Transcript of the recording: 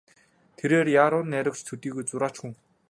Тэрээр яруу найрагч төдийгүй зураач хүн.